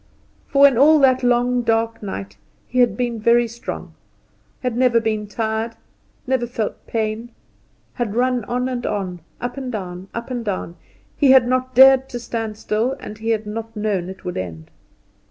For in all that long dark night he had been very strong, had never been tired, never felt pain, had run on and on, up and down, up and down; he had not dared to stand still, and he had not known it would end.